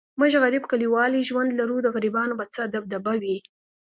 موږ غریب کلیوالي ژوند لرو، د غریبانو به څه دبدبه وي.